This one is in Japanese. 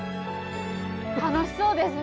楽しそうですね！